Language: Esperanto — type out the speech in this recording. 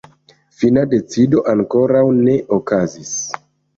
Fina decido ankoraŭ ne okazis.